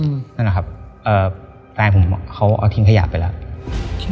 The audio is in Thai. ที่เอาออกมาจากด้ามมีดแฟนผมเขาเอาทิ้งขยะไปแล้ว